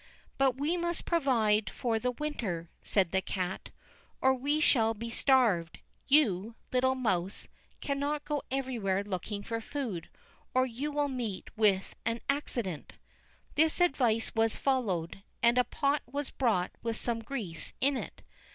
"But we must provide for the winter," said the cat, "or we shall be starved; you, little mouse, cannot go everywhere looking for food, or you will meet with an accident." This advice was followed, and a pot was brought with some grease in it.